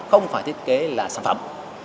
không phải thiết kế là sản phẩm